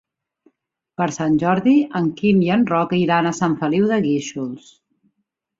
Per Sant Jordi en Quim i en Roc iran a Sant Feliu de Guíxols.